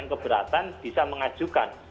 keberatan bisa mengajukan